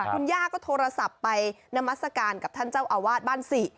คุณย่าก็โทรศัพท์ไปนามัศกาลกับท่านเจ้าอาวาสบ้านศรี